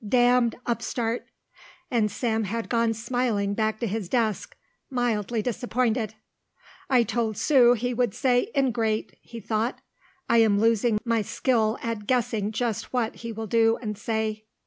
Damned upstart!" and Sam had gone smiling back to his desk, mildly disappointed. "I told Sue he would say 'Ingrate,'" he thought, "I am losing my skill at guessing just what he will do and say."